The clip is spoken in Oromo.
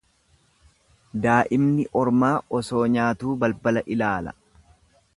Daa'imni ormaa osoo nyaatuu balbala laala.